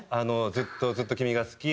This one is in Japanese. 「ずっとずっと君が好き」